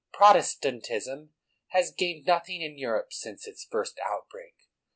Protestantism has gained nothing in Europe since its first outbreak.